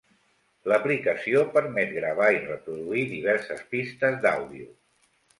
L'aplicació permet gravar i reproduir diverses pistes d'àudio.